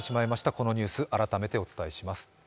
このニュース、改めてお伝えします。